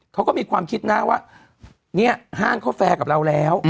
เขาก็มีความคิดนะว่าเนี่ยห้างเขาแฟร์กับเราแล้ว